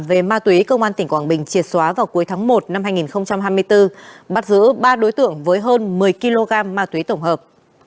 về ma túy công an tỉnh quảng bình triệt xóa vào cuối tháng một năm hai nghìn hai mươi bốn bắt giữ ba đối tượng với hơn một mươi kg ma túy tổng hợp